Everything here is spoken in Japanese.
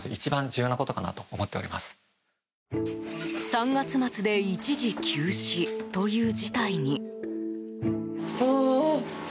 ３月末で一時休止という事態に。